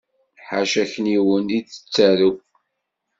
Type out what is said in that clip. Ḥaca akniwen i d-tettarew.